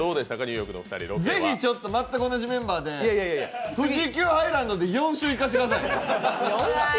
ぜひ全く同じメンバーで富士急ハイランドで４週行かせてください。